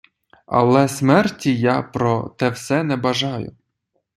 Але смерті я про те все не бажаю.